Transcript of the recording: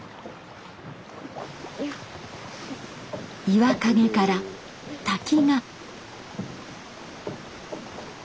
岩陰から滝が。